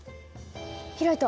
開いた！